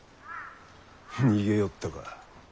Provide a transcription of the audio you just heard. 逃げよったか。